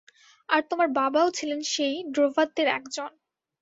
আর তোমার বাবাও ছিলেন সেই ড্রোভারদের একজন।